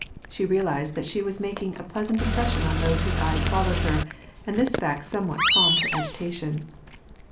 She realized that she was making a pleasant impression on those whose eyes followed her, and this fact somewhat calmed her agitation.